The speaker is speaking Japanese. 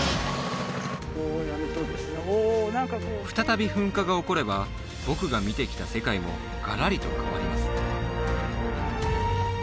再び噴火が起これば僕が見てきた世界もガラリと変わります